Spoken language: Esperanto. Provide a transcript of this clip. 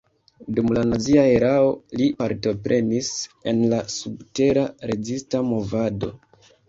Dum la nazia erao li partoprenis en la subtera rezista movado.